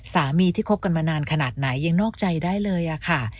สามีที่คบกันมานานขนาดไหนยังนอกใจได้เลยค่ะ